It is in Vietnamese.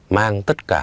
mang tất cả